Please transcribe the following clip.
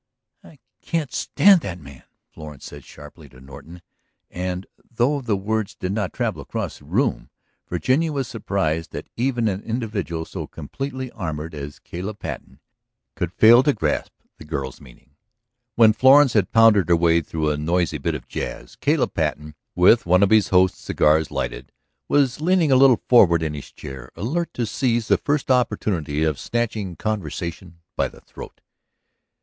"I can't stand that man!" Florence said sharply to Norton, and though the words did not travel across the room, Virginia was surprised that even an individual so completely armored as Caleb Patten could fail to grasp the girl's meaning. When Florence had pounded her way through a noisy bit of "jazz," Caleb Patten, with one of his host's cigars lighted, was leaning a little forward in his chair, alert to seize the first opportunity of snatching conversation by the throat.